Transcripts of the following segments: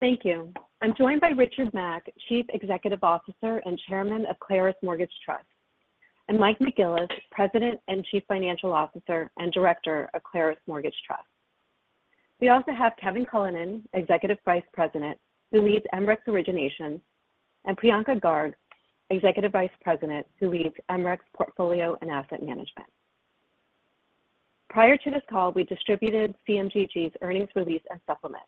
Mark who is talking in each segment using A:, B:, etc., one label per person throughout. A: Thank you. I'm joined by Richard Mack, Chief Executive Officer and Chairman of Claros Mortgage Trust, and Mike McGillis, President and Chief Financial Officer and Director of Claros Mortgage Trust. We also have Kevin Cullinan, Executive Vice President, who leads MRECS Origination, and Priyanka Garg, Executive Vice President, who leads MRECS Portfolio and Asset Management. Prior to this call, we distributed CMTG's earnings release and supplement.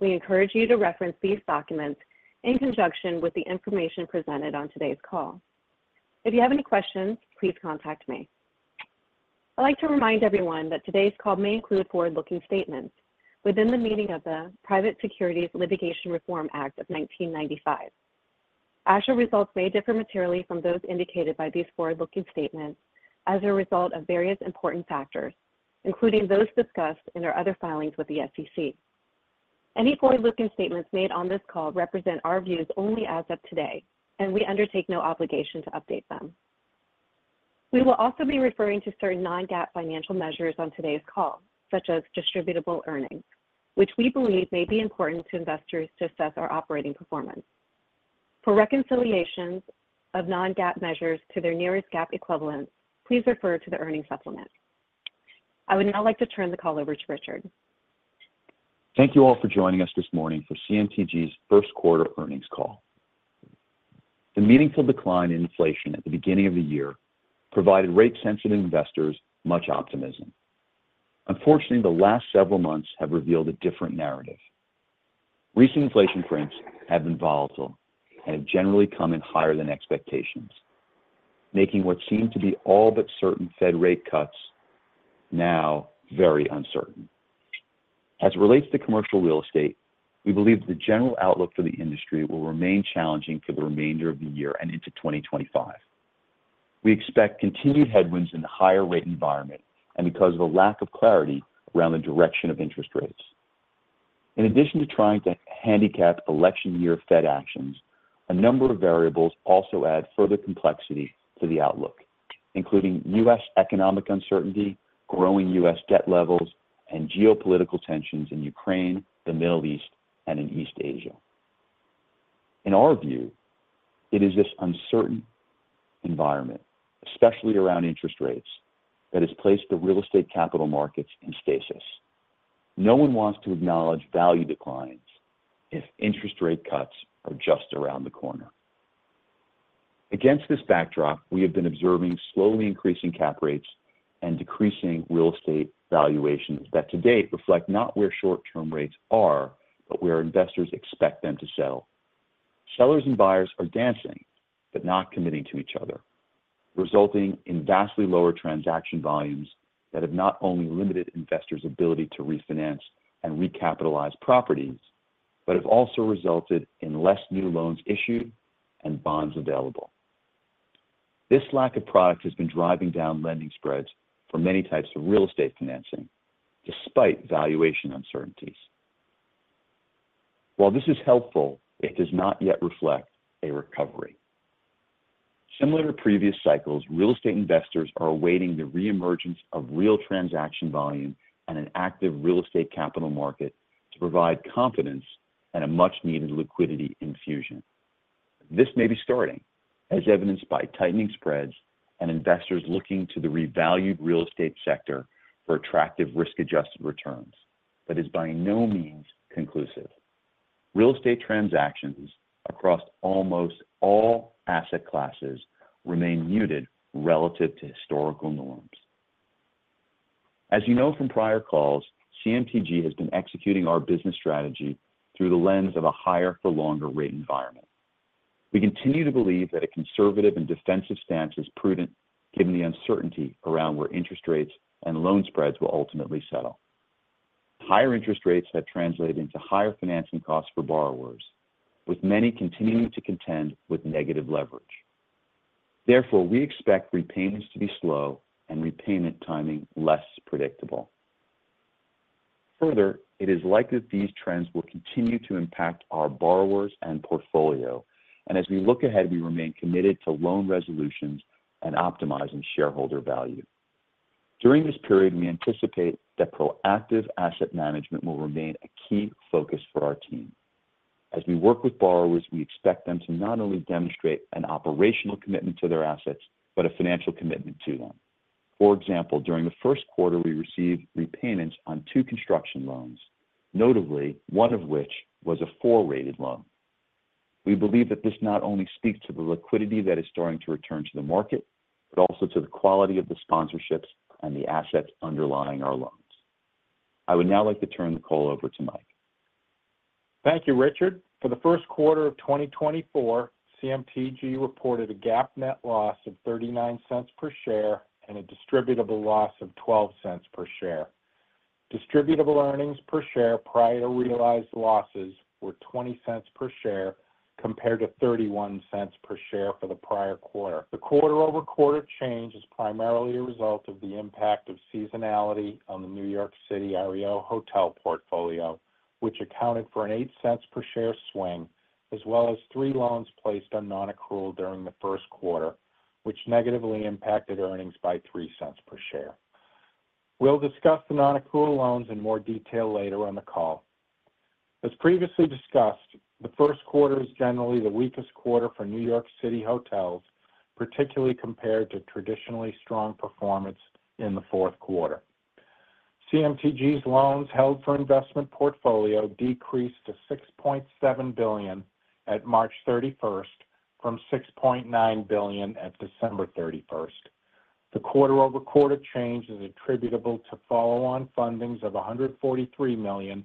A: We encourage you to reference these documents in conjunction with the information presented on today's call. If you have any questions, please contact me. I'd like to remind everyone that today's call may include forward-looking statements within the meaning of the Private Securities Litigation Reform Act of 1995. Actual results may differ materially from those indicated by these forward-looking statements as a result of various important factors, including those discussed in our other filings with the SEC. Any forward-looking statements made on this call represent our views only as of today, and we undertake no obligation to update them. We will also be referring to certain non-GAAP financial measures on today's call, such as distributable earnings, which we believe may be important to investors to assess our operating performance. For reconciliations of non-GAAP measures to their nearest GAAP equivalent, please refer to the earnings supplement. I would now like to turn the call over to Richard.
B: Thank you all for joining us this morning for CMTG's first quarter earnings call. The meaningful decline in inflation at the beginning of the year provided rate-sensitive investors much optimism. Unfortunately, the last several months have revealed a different narrative. Recent inflation prints have been volatile and have generally come in higher than expectations, making what seemed to be all but certain Fed rate cuts now very uncertain. As it relates to commercial real estate, we believe the general outlook for the industry will remain challenging for the remainder of the year and into 2025. We expect continued headwinds in the higher rate environment and because of a lack of clarity around the direction of interest rates. In addition to trying to handicap election year Fed actions, a number of variables also add further complexity to the outlook, including U.S. economic uncertainty, growing U.S. debt levels, and geopolitical tensions in Ukraine, the Middle East, and in East Asia. In our view, it is this uncertain environment, especially around interest rates, that has placed the real estate capital markets in stasis. No one wants to acknowledge value declines if interest rate cuts are just around the corner. Against this backdrop, we have been observing slowly increasing cap rates and decreasing real estate valuations that to date reflect not where short-term rates are, but where investors expect them to settle. Sellers and buyers are dancing, but not committing to each other, resulting in vastly lower transaction volumes that have not only limited investors' ability to refinance and recapitalize properties, but have also resulted in less new loans issued and bonds available. This lack of product has been driving down lending spreads for many types of real estate financing despite valuation uncertainties. While this is helpful, it does not yet reflect a recovery. Similar to previous cycles, real estate investors are awaiting the reemergence of real transaction volume and an active real estate capital market to provide confidence and a much-needed liquidity infusion. This may be starting, as evidenced by tightening spreads and investors looking to the revalued real estate sector for attractive risk-adjusted returns, but is by no means conclusive. Real estate transactions across almost all asset classes remain muted relative to historical norms. As you know from prior calls, CMTG has been executing our business strategy through the lens of a higher for longer rate environment. We continue to believe that a conservative and defensive stance is prudent, given the uncertainty around where interest rates and loan spreads will ultimately settle. Higher interest rates have translated into higher financing costs for borrowers, with many continuing to contend with negative leverage. Therefore, we expect repayments to be slow and repayment timing less predictable. Further, it is likely that these trends will continue to impact our borrowers and portfolio, and as we look ahead, we remain committed to loan resolutions and optimizing shareholder value. During this period, we anticipate that proactive asset management will remain a key focus for our team. As we work with borrowers, we expect them to not only demonstrate an operational commitment to their assets, but a financial commitment to them. For example, during the first quarter, we received repayments on two construction loans, notably, one of which was a four-rated loan. We believe that this not only speaks to the liquidity that is starting to return to the market, but also to the quality of the sponsorships and the assets underlying our loans. I would now like to turn the call over to Mike.
C: Thank you, Richard. For the first quarter of 2024, CMTG reported a GAAP net loss of $0.39 per share and a distributable loss of $0.12 per share. Distributable earnings per share prior to realized losses were $0.20 per share, compared to $0.31 per share for the prior quarter. The quarter-over-quarter change is primarily a result of the impact of seasonality on the New York City Arlo Hotel portfolio, which accounted for an $0.08 per share swing, as well as three loans placed on non-accrual during the first quarter, which negatively impacted earnings by $0.03 per share.... We'll discuss the non-accrual loans in more detail later on the call. As previously discussed, the first quarter is generally the weakest quarter for New York City hotels, particularly compared to traditionally strong performance in the fourth quarter. CMTG's loans held for investment portfolio decreased to $6.7 billion at March 31, from $6.9 billion at December 31. The quarter-over-quarter change is attributable to follow-on fundings of $143 million,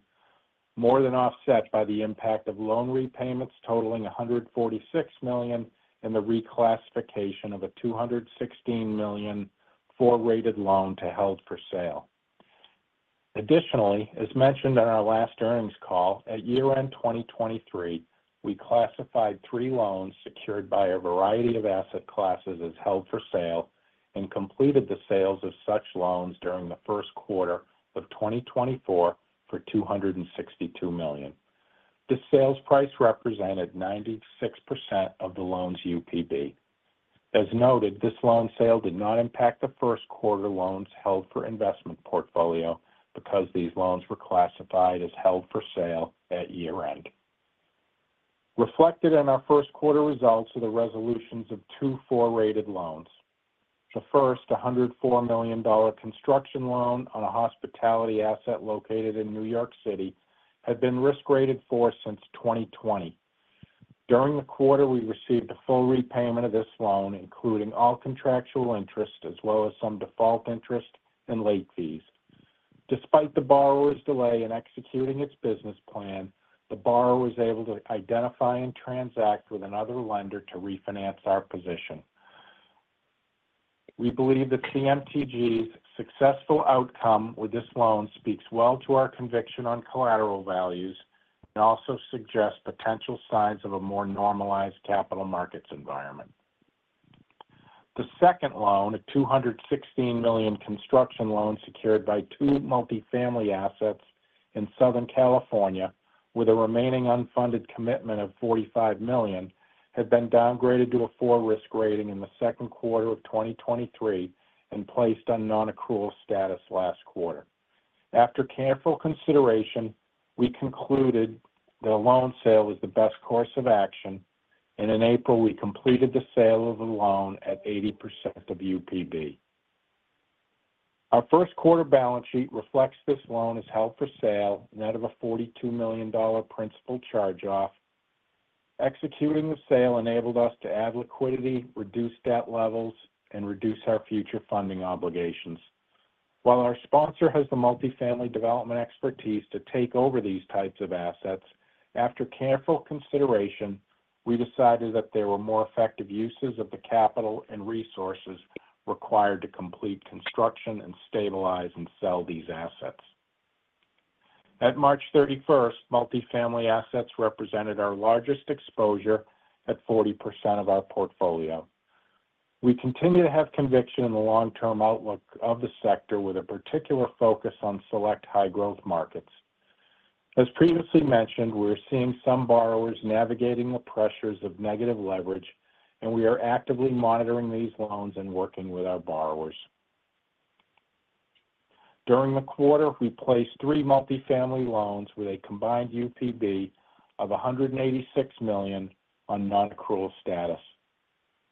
C: more than offset by the impact of loan repayments totaling $146 million, and the reclassification of a $216 million four-rated loan to held for sale. Additionally, as mentioned on our last earnings call, at year-end 2023, we classified three loans secured by a variety of asset classes as held for sale and completed the sales of such loans during the first quarter of 2024 for $262 million. The sales price represented 96% of the loan's UPB. As noted, this loan sale did not impact the first quarter loans held for investment portfolio because these loans were classified as held for sale at year-end. Reflected in our first quarter results are the resolutions of two four-rated loans. The first, a $104 million construction loan on a hospitality asset located in New York City, had been risk-rated 4 since 2020. During the quarter, we received a full repayment of this loan, including all contractual interest, as well as some default interest and late fees. Despite the borrower's delay in executing its business plan, the borrower was able to identify and transact with another lender to refinance our position. We believe that CMTG's successful outcome with this loan speaks well to our conviction on collateral values and also suggests potential signs of a more normalized capital markets environment. The second loan, a $216 million construction loan secured by two multifamily assets in Southern California, with a remaining unfunded commitment of $45 million, had been downgraded to a four risk rating in the second quarter of 2023 and placed on non-accrual status last quarter. After careful consideration, we concluded that a loan sale was the best course of action, and in April, we completed the sale of the loan at 80% of UPB. Our first quarter balance sheet reflects this loan as held for sale net of a $42 million principal charge-off. Executing the sale enabled us to add liquidity, reduce debt levels, and reduce our future funding obligations. While our sponsor has the multifamily development expertise to take over these types of assets, after careful consideration, we decided that there were more effective uses of the capital and resources required to complete construction and stabilize and sell these assets. At March 31, multifamily assets represented our largest exposure at 40% of our portfolio. We continue to have conviction in the long-term outlook of the sector, with a particular focus on select high-growth markets. As previously mentioned, we're seeing some borrowers navigating the pressures of negative leverage, and we are actively monitoring these loans and working with our borrowers. During the quarter, we placed three multifamily loans with a combined UPB of $186 million on non-accrual status.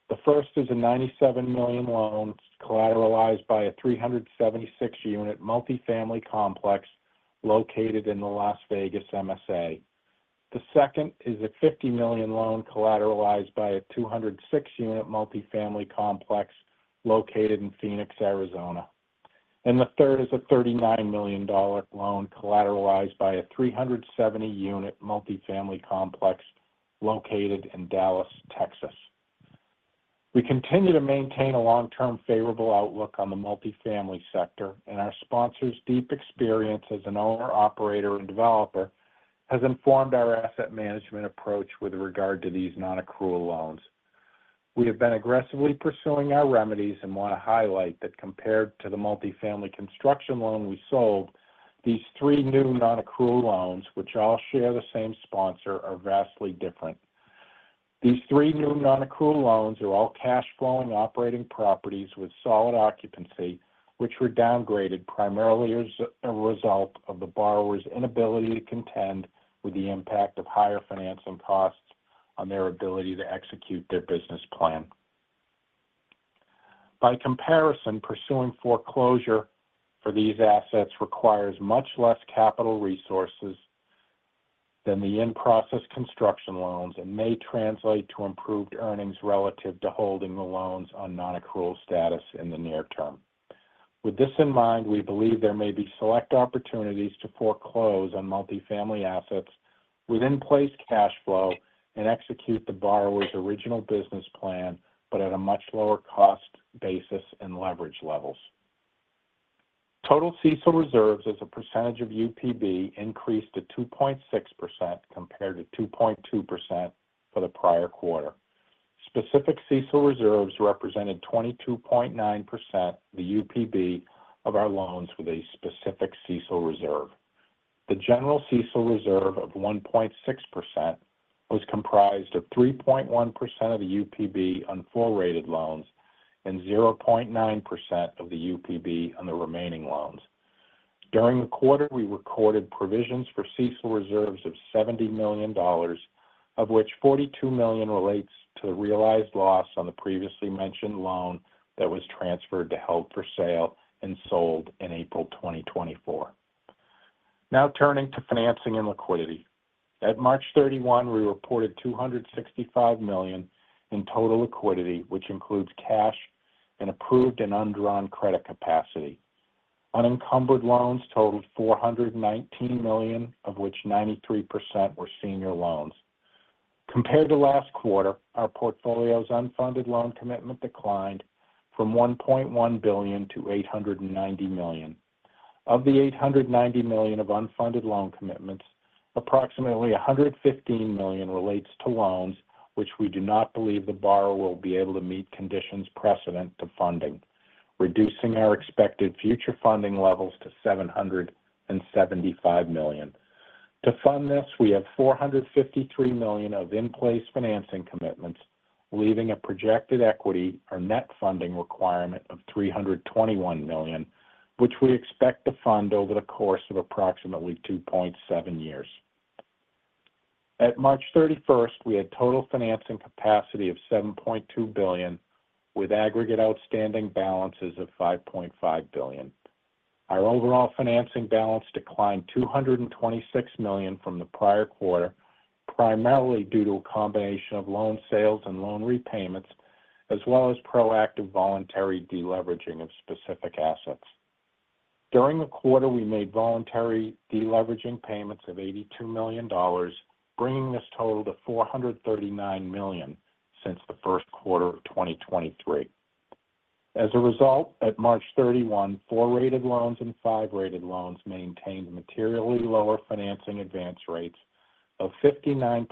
C: The first is a $97 million loan collateralized by a 376-unit multifamily complex located in the Las Vegas MSA. The second is a $50 million loan collateralized by a 206-unit multifamily complex located in Phoenix, Arizona. The third is a $39 million loan collateralized by a 370-unit multifamily complex located in Dallas, Texas. We continue to maintain a long-term favorable outlook on the multifamily sector, and our sponsor's deep experience as an owner, operator, and developer has informed our asset management approach with regard to these nonaccrual loans. We have been aggressively pursuing our remedies and want to highlight that compared to the multifamily construction loan we sold, these three new nonaccrual loans, which all share the same sponsor, are vastly different. These three new non-accrual loans are all cash flowing operating properties with solid occupancy, which were downgraded primarily as a result of the borrower's inability to contend with the impact of higher financing costs on their ability to execute their business plan. By comparison, pursuing foreclosure for these assets requires much less capital resources than the in-process construction loans and may translate to improved earnings relative to holding the loans on non-accrual status in the near term. With this in mind, we believe there may be select opportunities to foreclose on multifamily assets with in-place cash flow and execute the borrower's original business plan, but at a much lower cost basis and leverage levels. Total CECL reserves as a percentage of UPB increased to 2.6%, compared to 2.2% for the prior quarter. Specific CECL reserves represented 22.9% the UPB of our loans with a specific CECL reserve. The general CECL reserve of 1.6% was comprised of 3.1% of the UPB on four-rated loans and 0.9% of the UPB on the remaining loans. During the quarter, we recorded provisions for CECL reserves of $70 million, of which $42 million relates to the realized loss on the previously mentioned loan that was transferred to held for sale and sold in April 2024. Now turning to financing and liquidity. At March 31, we reported $265 million in total liquidity, which includes cash and approved and undrawn credit capacity. Unencumbered loans totaled $419 million, of which 93% were senior loans. Compared to last quarter, our portfolio's unfunded loan commitment declined from $1.1 billion-$890 million. Of the $890 million of unfunded loan commitments, approximately $115 million relates to loans, which we do not believe the borrower will be able to meet conditions precedent to funding, reducing our expected future funding levels to $775 million. To fund this, we have $453 million of in-place financing commitments, leaving a projected equity or net funding requirement of $321 million, which we expect to fund over the course of approximately 2.7 years. At March 31st, we had total financing capacity of $7.2 billion, with aggregate outstanding balances of $5.5 billion. Our overall financing balance declined $226 million from the prior quarter, primarily due to a combination of loan sales and loan repayments, as well as proactive voluntary deleveraging of specific assets. During the quarter, we made voluntary deleveraging payments of $82 million, bringing this total to $439 million since the first quarter of 2023. As a result, at March 31, four-rated loans and five-rated loans maintained materially lower financing advance rates of 59%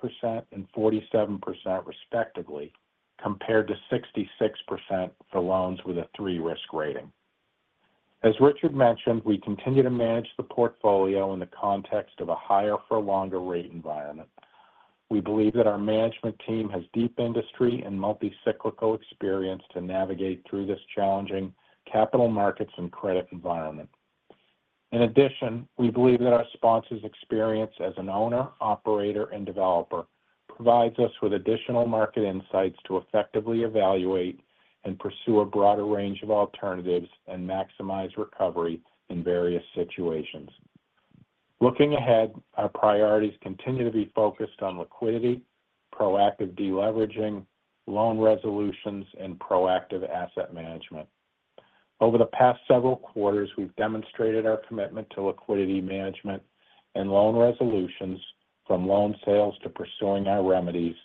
C: and 47%, respectively, compared to 66% for loans with a three risk rating. As Richard mentioned, we continue to manage the portfolio in the context of a higher for longer rate environment. We believe that our management team has deep industry and multi-cyclical experience to navigate through this challenging capital markets and credit environment. In addition, we believe that our sponsor's experience as an owner, operator, and developer provides us with additional market insights to effectively evaluate and pursue a broader range of alternatives and maximize recovery in various situations. Looking ahead, our priorities continue to be focused on liquidity, proactive deleveraging, loan resolutions, and proactive asset management. Over the past several quarters, we've demonstrated our commitment to liquidity management and loan resolutions from loan sales to pursuing our remedies,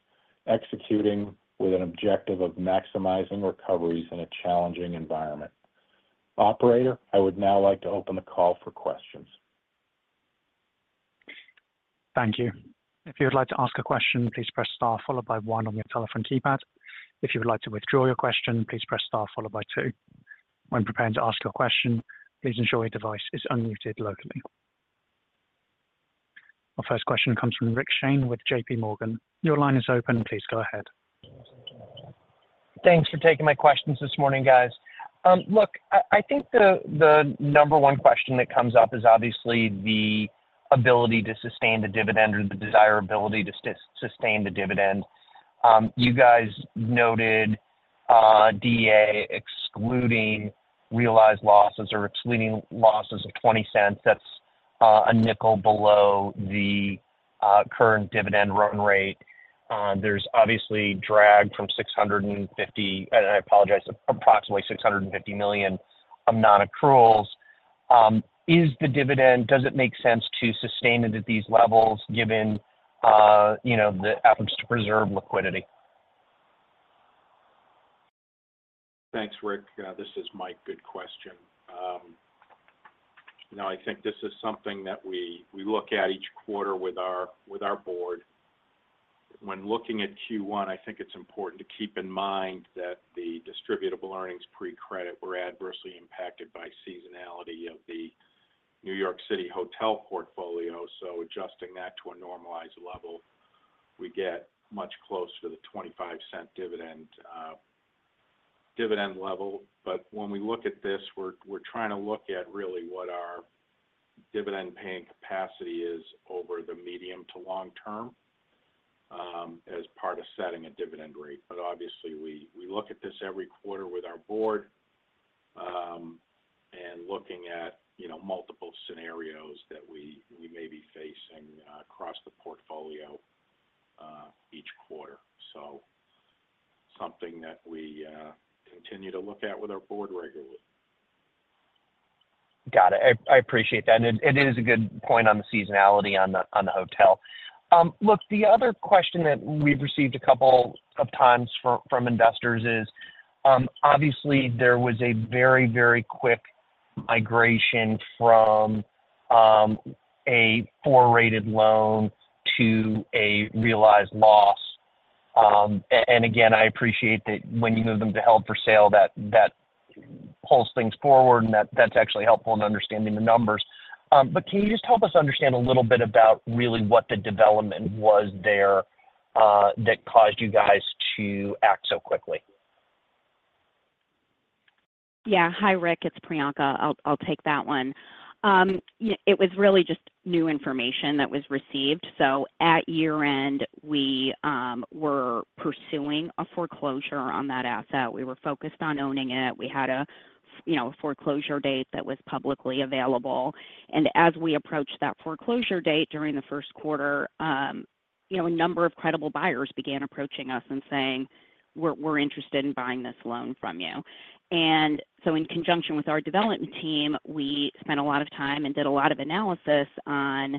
C: executing with an objective of maximizing recoveries in a challenging environment. Operator, I would now like to open the call for questions.
D: Thank you. If you would like to ask a question, please press Star followed by one on your telephone keypad. If you would like to withdraw your question, please press Star followed by two. When preparing to ask your question, please ensure your device is unmuted locally. Our first question comes from Rick Shane with J.P. Morgan. Your line is open. Please go ahead.
E: Thanks for taking my questions this morning, guys. Look, I think the number one question that comes up is obviously the ability to sustain the dividend or the desirability to sustain the dividend. You guys noted, DA, excluding realized losses or excluding losses of $0.20. That's a $0.05 below the current dividend run rate. There's obviously drag from 650 – and I apologize, approximately $650 million of non-accruals. Is the dividend, does it make sense to sustain it at these levels, given, you know, the efforts to preserve liquidity?
C: Thanks, Rick. This is Mike. Good question. You know, I think this is something that we look at each quarter with our board. When looking at Q1, I think it's important to keep in mind that the distributable earnings pre-credit were adversely impacted by seasonality of the New York City hotel portfolio. So adjusting that to a normalized level, we get much closer to the $0.25 dividend, dividend level. But when we look at this, we're trying to look at really what our dividend-paying capacity is over the medium to long term, as part of setting a dividend rate. But obviously, we look at this every quarter with our board, and looking at, you know, multiple scenarios that we may be facing, across the portfolio, each quarter. Something that we continue to look at with our board regularly.
E: Got it. I appreciate that. And it is a good point on the seasonality on the hotel. Look, the other question that we've received a couple of times from investors is, obviously there was a very, very quick migration from a poor-rated loan to a realized loss. And again, I appreciate that when you move them to held for sale, that pulls things forward, and that's actually helpful in understanding the numbers. But can you just help us understand a little bit about really what the development was there, that caused you guys to act so quickly?
F: Yeah. Hi, Rick, it's Priyanka. I'll, I'll take that one. Yeah, it was really just new information that was received. So at year-end, we were pursuing a foreclosure on that asset. We were focused on owning it. We had a, you know, foreclosure date that was publicly available. And as we approached that foreclosure date during the first quarter, you know, a number of credible buyers began approaching us and saying, "We're, we're interested in buying this loan from you." And so in conjunction with our development team, we spent a lot of time and did a lot of analysis on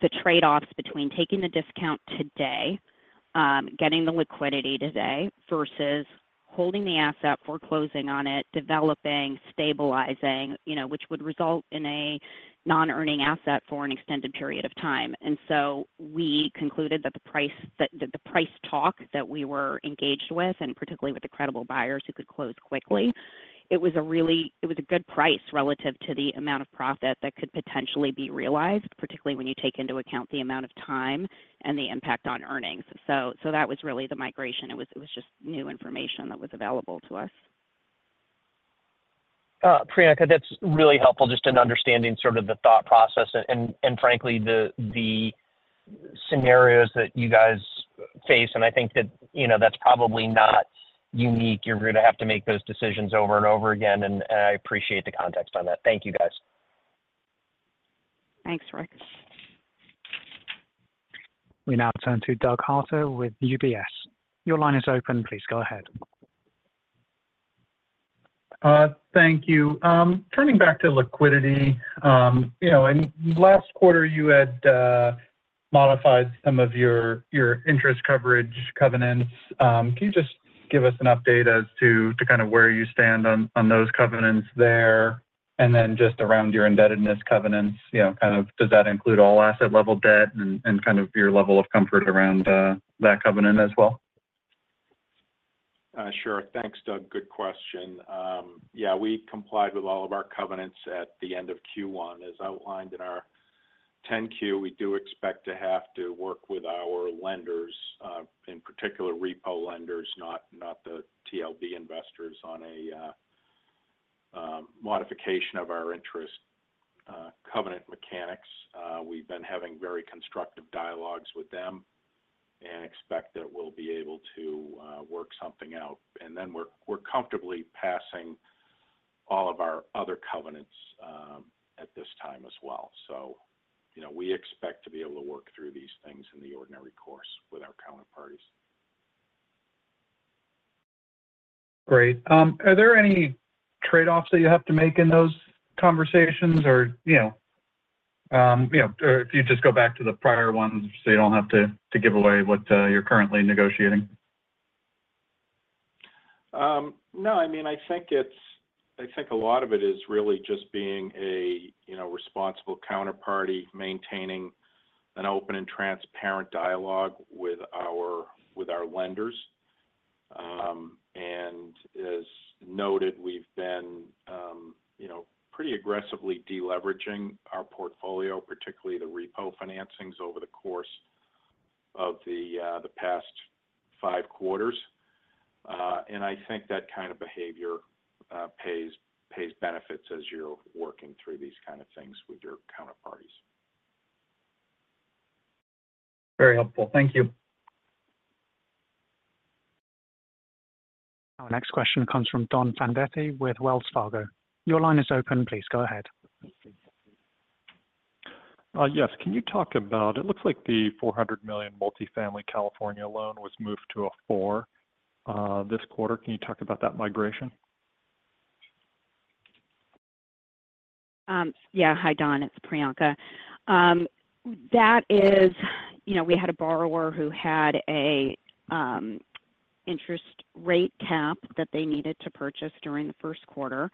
F: the trade-offs between taking the discount today, getting the liquidity today, versus holding the asset, foreclosing on it, developing, stabilizing, you know, which would result in a non-earning asset for an extended period of time. We concluded that the price talk that we were engaged with, and particularly with the credible buyers who could close quickly, it was a really good price relative to the amount of profit that could potentially be realized, particularly when you take into account the amount of time and the impact on earnings. So that was really the migration. It was just new information that was available to us.
E: Priyanka, that's really helpful just in understanding sort of the thought process and frankly, the scenarios that you guys face. I think that, you know, that's probably not unique. You're going to have to make those decisions over and over again, and I appreciate the context on that. Thank you, guys.
F: Thanks, Rick.
D: We now turn to Doug Harter with UBS. Your line is open. Please go ahead.
G: Thank you. Turning back to liquidity, you know, in last quarter, you had modified some of your interest coverage covenants. Can you just give us an update as to kind of where you stand on those covenants there? And then just around your indebtedness covenants, you know, kind of does that include all asset level debt and kind of your level of comfort around that covenant as well?
C: Sure. Thanks, Doug. Good question. Yeah, we complied with all of our covenants at the end of Q1. As outlined in our 10-Q, we do expect to have to work with our lenders, in particular, repo lenders, not the TLB investors, on a modification of our interest covenant mechanics. We've been having very constructive dialogues with them and expect that we'll be able to work something out. And then we're comfortably passing all of our other covenants at this time as well. So, you know, we expect to be able to work through these things in the ordinary course with our counterparties.
G: Great. Are there any trade-offs that you have to make in those conversations, or, you know, you know, or if you just go back to the prior ones, so you don't have to, to give away what, you're currently negotiating?
C: No, I mean, I think it's - I think a lot of it is really just being a, you know, responsible counterparty, maintaining an open and transparent dialogue with our lenders. And as noted, we've been, you know, pretty aggressively deleveraging our portfolio, particularly the repo financings over the course of the past five quarters. And I think that kind of behavior pays benefits as you're working through these kind of things with your counterparties.
G: Very helpful. Thank you.
D: Our next question comes from Don Fandetti with Wells Fargo. Your line is open. Please go ahead.
H: Yes. Can you talk about... It looks like the $400 million multifamily California loan was moved to a four, this quarter. Can you talk about that migration?
F: Yeah. Hi, Don, it's Priyanka. That is, you know, we had a borrower who had a interest rate cap that they needed to purchase during the first quarter.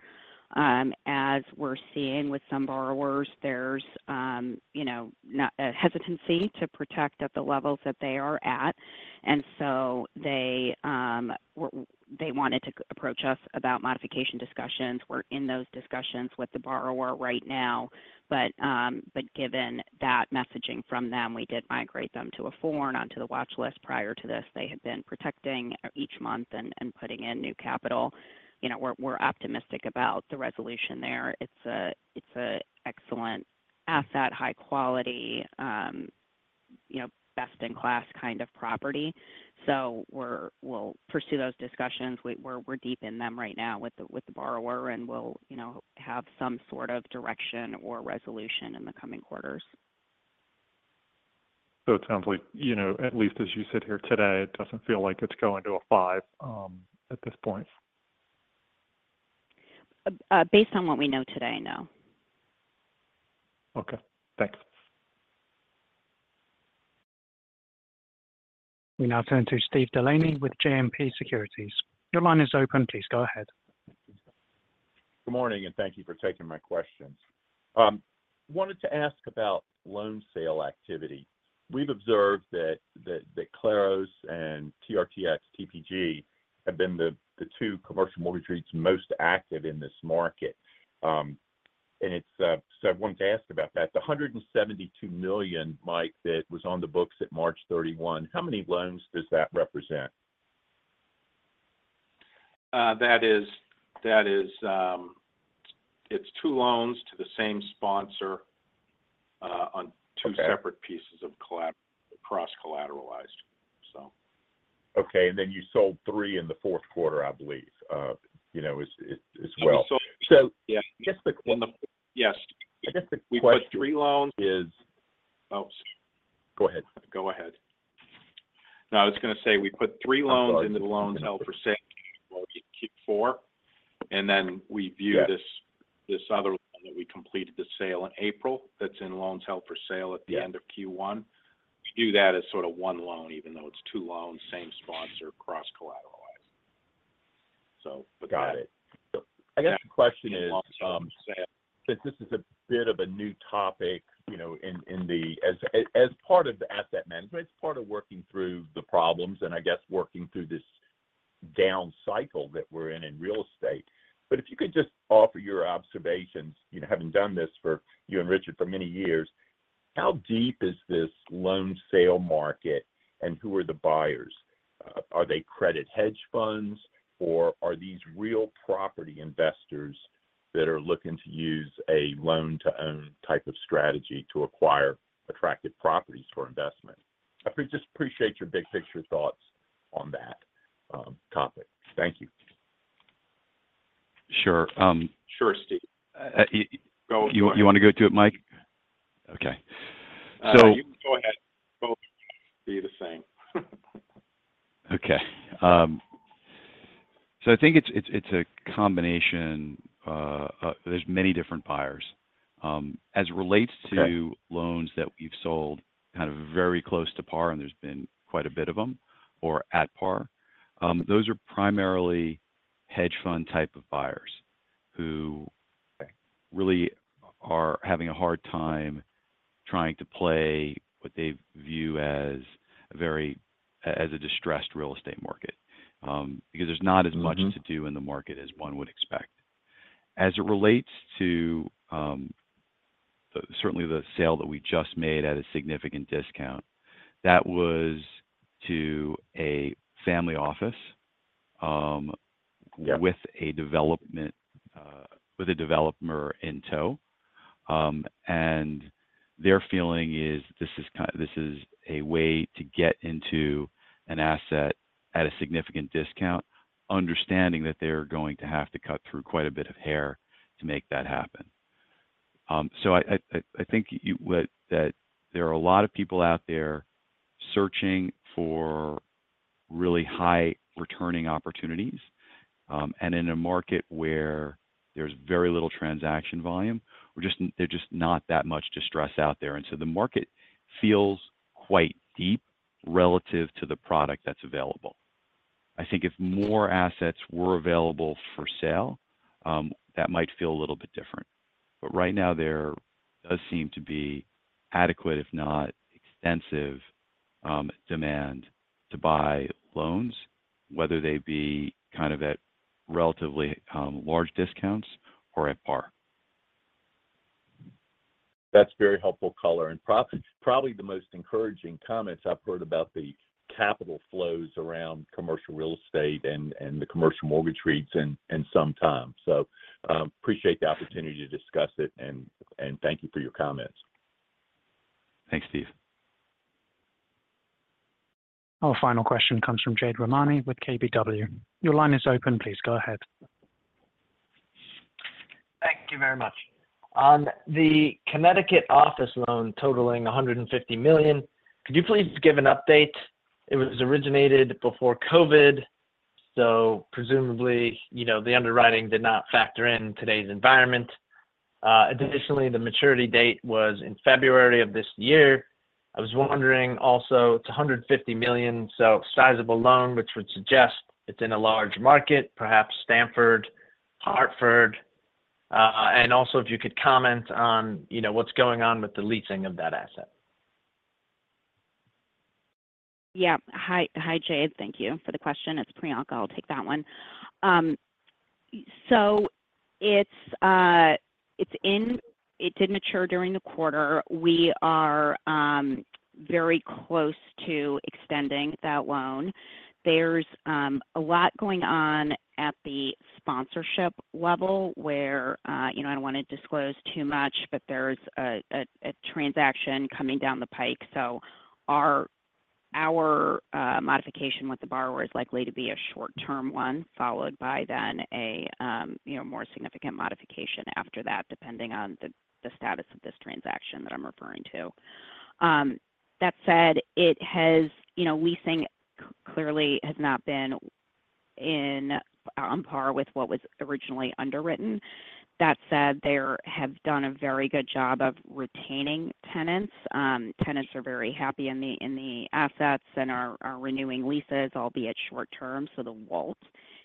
F: As we're seeing with some borrowers, there's, you know, not a hesitancy to protect at the levels that they are at. And so they, they wanted to approach us about modification discussions. We're in those discussions with the borrower right now, but, but given that messaging from them, we did migrate them to a four and onto the watch list. Prior to this, they had been protecting each month and, and putting in new capital. You know, we're, we're optimistic about the resolution there. It's a, it's a excellent asset, high quality, you know, best-in-class kind of property. So we'll pursue those discussions. We're deep in them right now with the borrower, and we'll, you know, have some sort of direction or resolution in the coming quarters.
H: It sounds like, you know, at least as you sit here today, it doesn't feel like it's going to a five, at this point.
F: Based on what we know today, no.
H: Okay, thanks.
D: We now turn to Steve Delaney with JMP Securities. Your line is open. Please go ahead.
I: Good morning, and thank you for taking my questions. Wanted to ask about loan sale activity. We've observed that Claros and TRTX TPG have been the two commercial mortgage REITs most active in this market. And it's so I wanted to ask about that. The $172 million, Mike, that was on the books at March 31, how many loans does that represent?
B: That is, that is, it's two loans to the same sponsor, on-
I: Okay
B: two separate pieces of cross-collateralized. So.
I: Okay, and then you sold three in the fourth quarter, I believe, you know, as well.
B: So-
I: Yeah. Just the-
B: Yes.
I: I guess the question is-
B: We put three loans... Oh, go ahead.
I: Go ahead.
B: No, I was gonna say, we put three loans-
I: I'm sorry.
B: ...into the loans held for sale in Q4, and then we view this
I: Yeah
B: This other loan that we completed the sale in April, that's in loans held for sale at the end of Q1.
I: Yeah.
B: We view that as sort of one loan, even though it's two loans, same sponsor, cross-collateralized. So.
I: Got it. I guess the question is, since this is a bit of a new topic, you know, as part of the asset management, it's part of working through the problems, and I guess working through this down cycle that we're in, in real estate. But if you could just offer your observations, you know, having done this for you and Richard for many years, how deep is this loan sale market, and who are the buyers? Are they credit hedge funds, or are these real property investors that are looking to use a loan-to-own type of strategy to acquire attractive properties for investment? I just appreciate your big picture thoughts on that topic. Thank you.
B: Sure, um- Sure, Steve. You want, you want to go to it, Mike? Okay. So-
C: You go ahead. Both be the same.
B: Okay. So I think it's a combination. There's many different buyers. As it relates to-
I: Okay...
B: loans that we've sold kind of very close to par, and there's been quite a bit of them, or at par, those are primarily hedge fund type of buyers, who-
I: Okay
B: ...really are having a hard time trying to play what they view as a very distressed real estate market, because there's not as much-- to do in the market as one would expect. As it relates to, certainly the sale that we just made at a significant discount, that was to a family office.
I: Yeah
B: With a development, with a developer in tow. And their feeling is, this is a way to get into an asset at a significant discount, understanding that they're going to have to cut through quite a bit of hair to make that happen. So I think that there are a lot of people out there searching for really high returning opportunities, and in a market where there's very little transaction volume, there's just not that much distress out there. And so the market feels quite deep relative to the product that's available. I think if more assets were available for sale, that might feel a little bit different. But right now, there does seem to be adequate, if not extensive, demand to buy loans, whether they be kind of at relatively, large discounts or at par.
I: That's very helpful color and probably the most encouraging comments I've heard about the capital flows around commercial real estate and the commercial mortgage rates in some time. So, appreciate the opportunity to discuss it and thank you for your comments.
B: Thanks, Steve.
D: Our final question comes from Jade Rahmani with KBW. Your line is open. Please, go ahead.
J: Thank you very much. On the Connecticut office loan totaling $150 million, could you please give an update? It was originated before COVID, so presumably, you know, the underwriting did not factor in today's environment. Additionally, the maturity date was in February of this year. I was wondering also, it's $150 million, so sizable loan, which would suggest it's in a large market, perhaps Stamford, Hartford. And also, if you could comment on, you know, what's going on with the leasing of that asset.
F: Yeah. Hi, hi, Jade. Thank you for the question. It's Priyanka. I'll take that one. So it's—it did mature during the quarter. We are very close to extending that loan. There's a lot going on at the sponsorship level, where, you know, I don't want to disclose too much, but there's a transaction coming down the pike. So our modification with the borrower is likely to be a short-term one, followed by then a you know more significant modification after that, depending on the status of this transaction that I'm referring to. That said, it has... You know, leasing clearly has not been on par with what was originally underwritten. That said, they have done a very good job of retaining tenants. Tenants are very happy in the assets and are renewing leases, albeit short term, so the WALT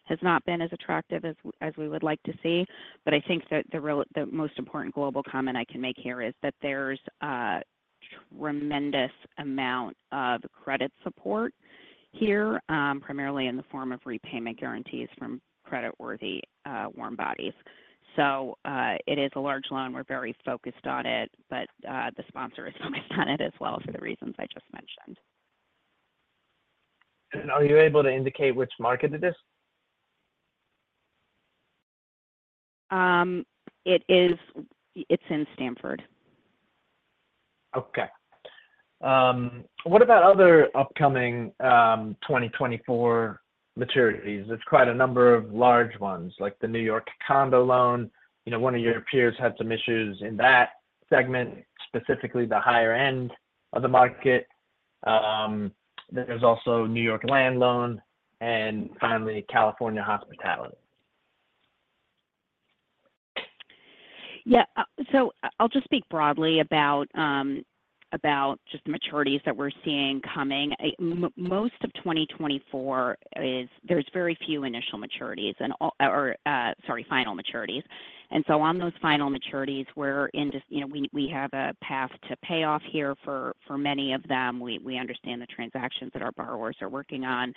F: has not been as attractive as we would like to see. But I think that the most important global comment I can make here is that there's tremendous amount of credit support here, primarily in the form of repayment guarantees from creditworthy warm bodies. So, it is a large loan. We're very focused on it, but the sponsor is focused on it as well for the reasons I just mentioned.
J: Are you able to indicate which market it is?
F: It's in Stamford.
J: Okay. What about other upcoming 2024 maturities? There's quite a number of large ones, like the New York condo loan. You know, one of your peers had some issues in that segment, specifically the higher end of the market. There's also New York land loan and finally, California hospitality.
F: Yeah. So I'll just speak broadly about just the maturities that we're seeing coming. Most of 2024 is-- there's very few initial maturities and all-- or, sorry, final maturities. And so on those final maturities, we're in this-- you know, we, we have a path to pay off here for, for many of them. We, we understand the transactions that our borrowers are working on,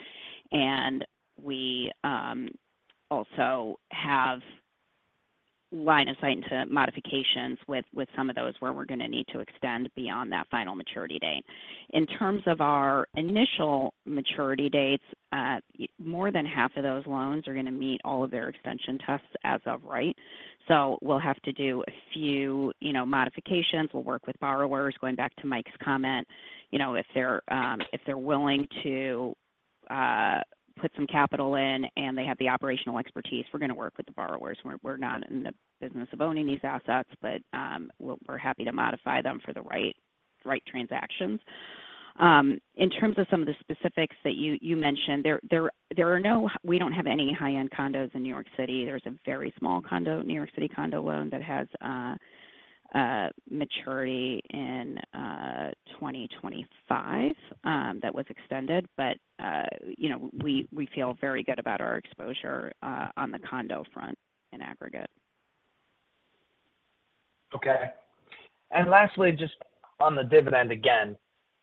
F: and we also have line of sight into modifications with, with some of those where we're gonna need to extend beyond that final maturity date. In terms of our initial maturity dates, more than half of those loans are gonna meet all of their extension tests as of right. So we'll have to do a few, you know, modifications. We'll work with borrowers. Going back to Mike's comment, you know, if they're willing to put some capital in and they have the operational expertise, we're gonna work with the borrowers. We're not in the business of owning these assets, but we're happy to modify them for the right transactions. In terms of some of the specifics that you mentioned, we don't have any high-end condos in New York City. There's a very small New York City condo loan that has maturity in 2025 that was extended. But you know, we feel very good about our exposure on the condo front in aggregate.
J: Okay. And lastly, just on the dividend again.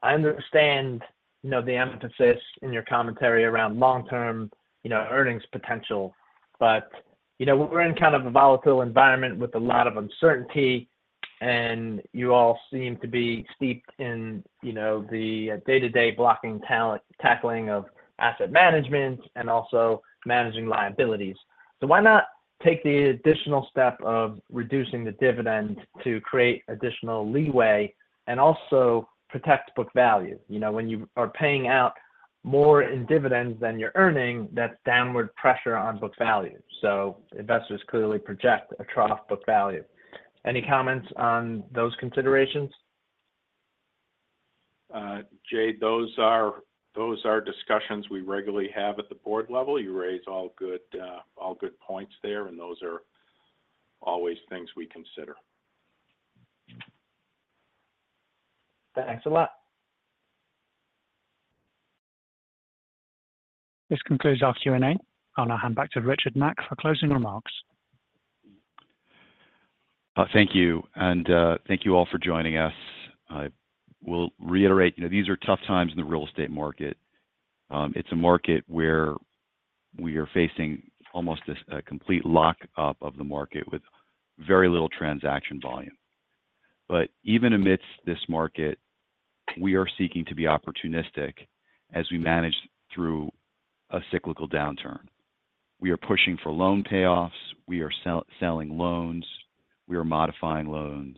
J: I understand, you know, the emphasis in your commentary around long-term, you know, earnings potential, but, you know, we're in kind of a volatile environment with a lot of uncertainty, and you all seem to be steeped in, you know, the day-to-day blocking and tackling of asset management and also managing liabilities. So why not take the additional step of reducing the dividend to create additional leeway and also protect book value? You know, when you are paying out more in dividends than you're earning, that's downward pressure on book value. So investors clearly project a trough book value. Any comments on those considerations?
C: Jay, those are discussions we regularly have at the board level. You raise all good points there, and those are always things we consider.
J: Thanks a lot.
D: This concludes our Q&A. I'll now hand back to Richard Mack for closing remarks.
B: Thank you, and thank you all for joining us. I will reiterate, you know, these are tough times in the real estate market. It's a market where we are facing almost a complete lockup of the market with very little transaction volume. But even amidst this market, we are seeking to be opportunistic as we manage through a cyclical downturn. We are pushing for loan payoffs, we are selling loans, we are modifying loans,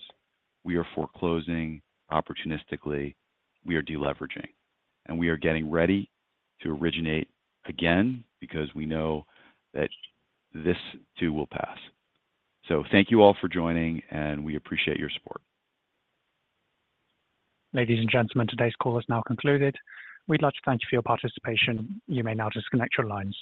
B: we are foreclosing opportunistically, we are deleveraging, and we are getting ready to originate again because we know that this too will pass. So thank you all for joining, and we appreciate your support.
D: Ladies and gentlemen, today's call has now concluded. We'd like to thank you for your participation. You may now disconnect your lines.